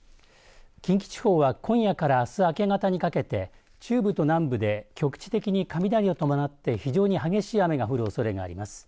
近畿地方は、今夜からあす明け方にかけて中部と南部で局地的に雷を伴って非常に激しい雨が降るおそれがあります。